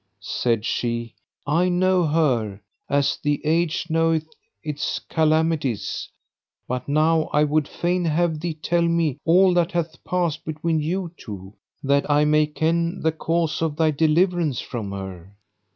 Said she, "I know her as the age knoweth its calamities; but now I would fain have thee tell me all that hath passed between you two, that I may ken the cause of thy deliverance from her."